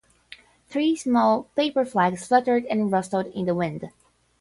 Three small paper flags fluttered and rustled in the wind.